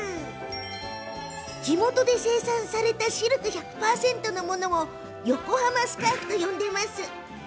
地元で生産されたシルク１００％のものを横浜スカーフと呼んでます。